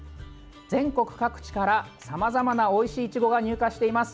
全国各地から、さまざまなおいしいいちごが入荷しています。